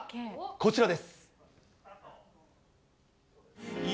こちらです。